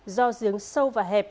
do giếng sâu và hẹp